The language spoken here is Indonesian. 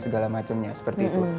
segala macamnya seperti itu